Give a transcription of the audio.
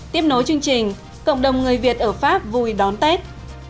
tiếp nối chương trình cộng đồng người việt ở pháp vui đón tết